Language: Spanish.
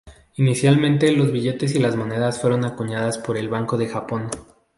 Inicialmente los billetes y las monedas fueron acuñadas por el Banco de Japón.